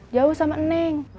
jauh sama neng